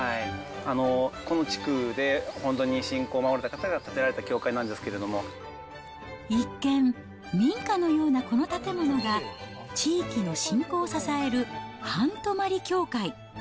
この地区で本当に信仰を守られた方々が建てられた教会なんですけ一見、民家のようなこの建物が、地域の信仰を支える半泊教会。